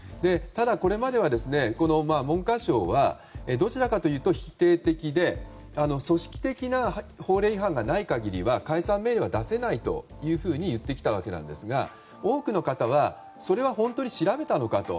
ただ、これまでは文科省はどちらかというと否定的で組織的な法令違反がない限りは解散命令は出せないと言ってきたわけですが多くの方はそれは本当に調べたのかと。